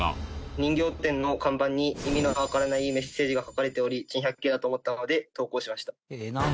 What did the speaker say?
人形店の看板に意味のわからないメッセージが書かれており珍百景だと思ったので投稿しました。